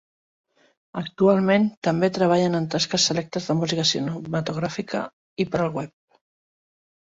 Actualment també treballen en tasques selectes de música cinematogràfica i per al web.